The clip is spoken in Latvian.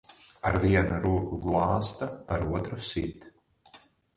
Ar vienu roku glāsta, ar otru sit.